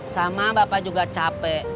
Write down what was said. sama bapak juga capek